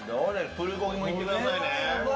プルコギもいってくださいね。